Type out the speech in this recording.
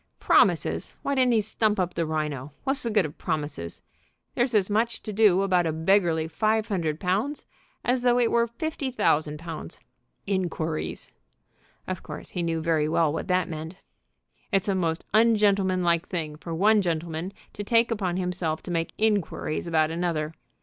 "Promises! Why didn't he stump up the rhino? What's the good of promises? There's as much to do about a beggarly five hundred pounds as though it were fifty thousand pounds. Inquiries!" Of course he knew very well what that meant. "It's a most ungentlemanlike thing for one gentleman to take upon himself to make inquiries about another.